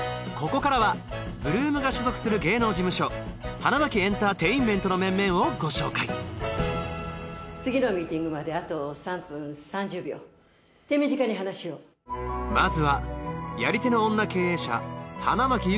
ここからは８ＬＯＯＭが所属する芸能事務所花巻エンターテインメントの面々をご紹介次のミーティングまであと３分３０秒手短に話をまずはやり手の女経営者